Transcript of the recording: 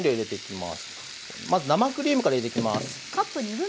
まず生クリームから入れていきます。